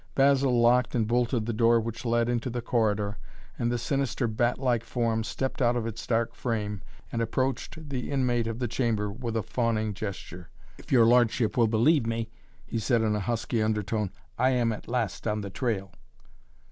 Basil locked and bolted the door which led into the corridor, and the sinister, bat like form stepped out of its dark frame and approached the inmate of the chamber with a fawning gesture. "If your lordship will believe me," he said in a husky undertone, "I am at last on the trail."